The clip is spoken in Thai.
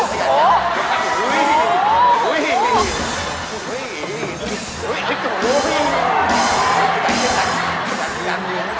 เอาเรา